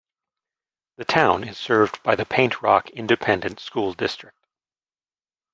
The town is served by the Paint Rock Independent School District.